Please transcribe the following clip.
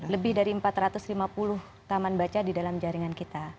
lebih dari empat ratus lima puluh taman baca di dalam jaringan kita